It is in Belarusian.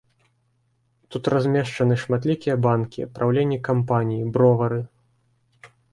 Тут размешчаны шматлікія банкі, праўленні кампаній, бровары.